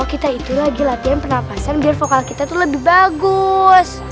kita itu lagi latihan pernafasan biar vokal kita tuh lebih bagus